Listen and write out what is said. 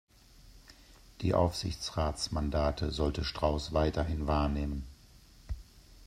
Die Aufsichtsratsmandate sollte Strauss weiterhin wahrnehmen.